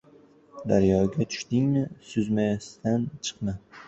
• Daryoga tushdingmi, suzmasdan chiqma.